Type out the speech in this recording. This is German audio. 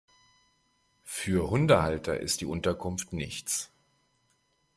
Für Hundehalter ist die Unterkunft nichts.